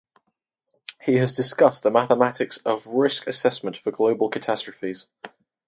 He has discussed the mathematics of risk assessments for global catastrophes.